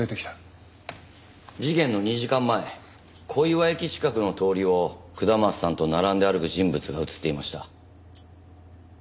事件の２時間前小岩駅近くの通りを下松さんと並んで歩く人物が映っていました。